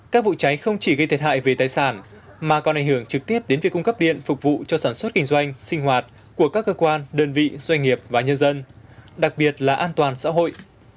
các vụ cháy không chỉ gây thiệt hại về tài sản mà còn ảnh hưởng trực tiếp đến việc cung cấp điện phục vụ cho sản xuất kinh doanh sinh hoạt của các cơ quan đơn vị doanh nghiệp và nhân dân đặc biệt là an toàn xã hội